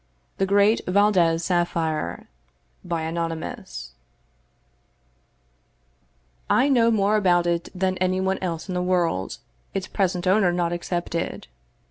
The Great Valdez Sapphire I KNOW more about it than anyone else in the world, its present owner not excepted.